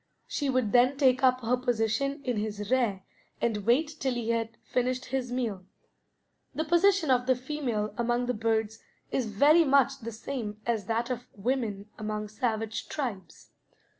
She would then take up her position in his rear and wait till he had finished his meal. The position of the female among the birds is very much the same as that of women among savage tribes.